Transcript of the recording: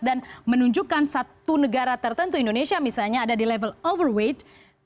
dan menunjukkan satu negara tertentu indonesia misalnya ada di level overweight